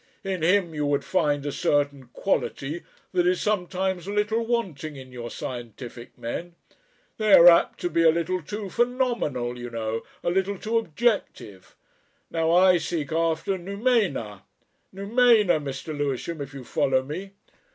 In him you would find a certain quality that is sometimes a little wanting in your scientific men. They are apt to be a little too phenomenal, you know, a little too objective. Now I seek after noumena. Noumena, Mr. Lewisham! If you follow me